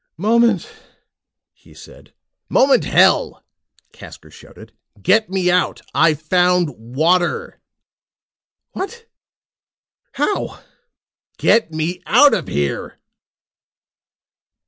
"Moment," he said. "Moment, hell!" Casker shouted. "Get me out. I've found water!" "What? How?" "Get me out of here!"